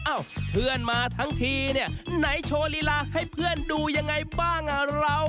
เอ้าเพื่อนมาทั้งทีเนี่ยไหนโชว์ลีลาให้เพื่อนดูยังไงบ้างอ่ะเรา